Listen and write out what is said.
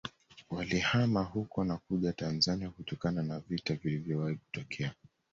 Walihama huko na kuja Tanzania kutokana na vita vilivyowahi kutokea